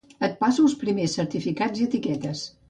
Et passo els primers certificats i etiquetes